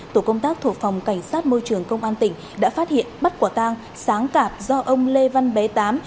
tổ công tác thuộc phòng cảnh sát môi trường công an tỉnh đã phát hiện bắt quả tang sáng tạp do ông lê văn bé tám